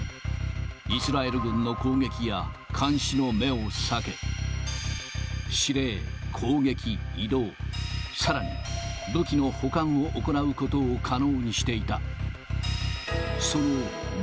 イスラエル軍の攻撃や、監視の目を避け、司令、攻撃、移動、さらに武器の保管を行うことを可能にしていた。